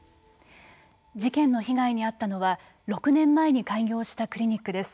事件の被害に遭ったのは６年前に開業したクリニックです。